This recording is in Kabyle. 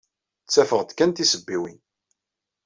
Ttafeɣ-d kan tisebbiwin.